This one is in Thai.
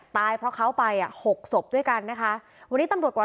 ตายเพราะเขาไปอ่ะหกศพด้วยกันนะคะวันนี้ตำรวจกว่า